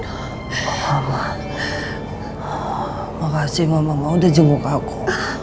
terima kasih mm anda ada semua aku